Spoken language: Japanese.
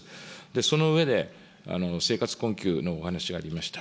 その上で、生活困窮のお話がありました。